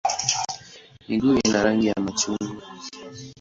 Miguu ina rangi ya machungwa.